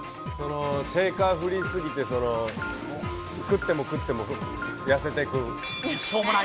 シェイカーをふりすぎて食っても食っても痩せてく。